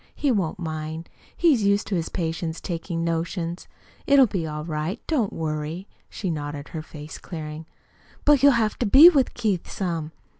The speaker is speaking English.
He won't mind. He's used to his patients taking notions. It'll be all right. Don't worry," she nodded, her face clearing. "But you'll have to be with Keith some."